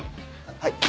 はい。